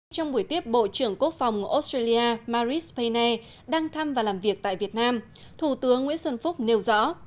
trong buổi tiếp bộ trưởng quốc phòng australia maris pene đang thăm và làm việc tại việt nam thủ tướng nguyễn xuân phúc nêu rõ